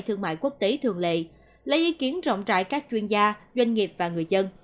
thương mại quốc tế thường lệ lấy ý kiến rộng rãi các chuyên gia doanh nghiệp và người dân